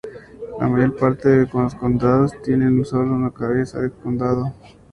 La mayor parte de los condados tienen sólo una cabeza de condado.